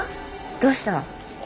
どうした？